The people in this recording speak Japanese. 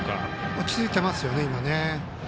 落ち着いていますね。